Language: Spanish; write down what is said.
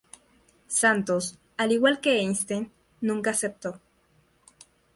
Santos, al igual que Einstein, nunca aceptó.